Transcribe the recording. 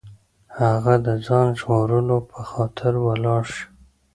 هغه د ځان ژغورلو په خاطر ولاړ شي.